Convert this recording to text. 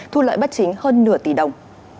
thu lợi bất chính hơn nửa tỷ đồng